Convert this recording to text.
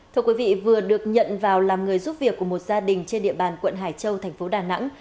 thưa quý vị vừa được nhận vào làm người giúp việc của một gia đình trên địa bàn quận hải châu thành phố đà nẵng